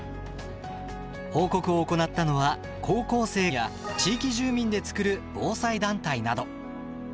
報告を行ったのは高校生や地域住民で作る防災団体など。